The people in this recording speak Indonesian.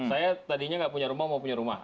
saya tadinya nggak punya rumah mau punya rumah